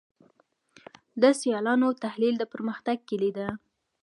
د سیالانو تحلیل د پرمختګ کلي ده.